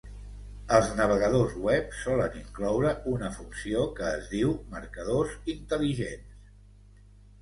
Els navegadors web solen incloure una funció que es diu "marcadors intel·ligents".